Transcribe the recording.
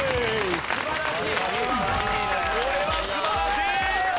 これは素晴らしい！